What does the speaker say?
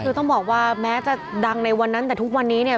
คือต้องบอกว่าแม้จะดังในวันนั้นแต่ทุกวันนี้เนี่ย